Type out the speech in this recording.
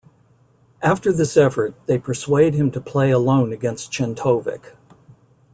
After this effort, they persuade him to play alone against Czentovic.